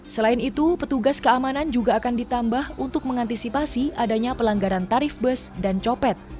selain itu petugas keamanan juga akan ditambah untuk mengantisipasi adanya pelanggaran tarif bus dan copet